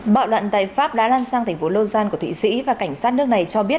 bạo loạn tại pháp đã lan sang thành phố logal của thụy sĩ và cảnh sát nước này cho biết